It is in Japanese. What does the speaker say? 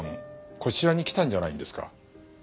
こちらに来たんじゃないんですか？